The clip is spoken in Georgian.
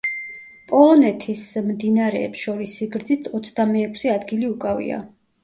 პოლონეთის მდინარეებს შორის სიგრძით ოცდამეექვსე ადგილი უკავია.